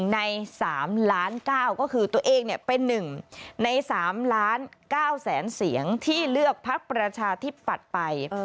ใน๓ล้าน๙ก็คือตัวเองเป็น๑ใน๓ล้าน๙แสนเสียงที่เลือกพักประชาธิปัตย์ไป